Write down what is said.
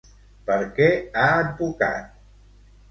Per què ha advocat?